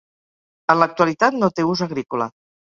En l'actualitat no té ús agrícola.